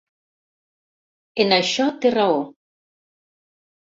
En això té raó.